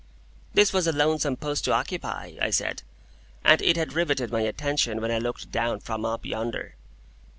This was a lonesome post to occupy (I said), and it had riveted my attention when I looked down from up yonder.